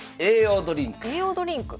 「栄養ドリンク」。